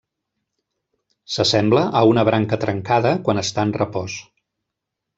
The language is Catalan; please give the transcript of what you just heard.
S'assembla a una branca trencada quan està en repòs.